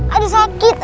aduh sakit aduh